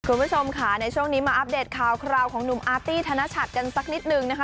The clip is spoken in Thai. คุณผู้ชมค่ะในช่วงนี้มาอัปเดตข่าวคราวของหนุ่มอาร์ตี้ธนชัดกันสักนิดนึงนะคะ